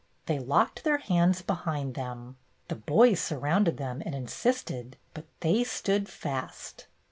They locked their hands behind them. The boys surrounded them and insisted, but they stood fast.